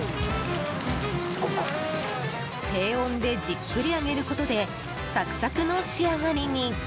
低温でじっくり揚げることでサクサクの仕上がりに。